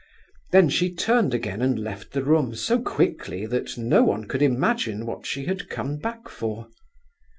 Then she turned again and left the room so quickly that no one could imagine what she had come back for.